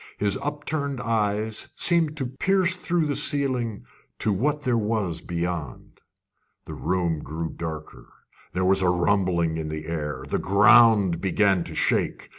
His upturned eyes seemed to pierce through the ceiling to what there was beyond. The room grew darker. There was a rumbling in the air. The ground began to shake.